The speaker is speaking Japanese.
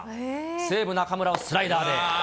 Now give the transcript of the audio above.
西武、中村をスライダーで。